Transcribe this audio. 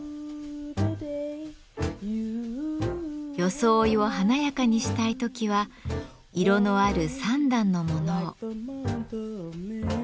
装いを華やかにしたい時は色のある三段のものを。